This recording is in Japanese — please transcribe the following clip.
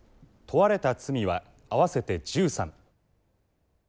問われた罪は合わせて１３。